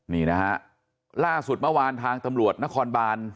นี่นะฮะล่าสุดเมื่อวานทางตำรวจนครบาน